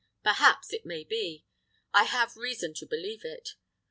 Perhaps it may be I have reason to believe it.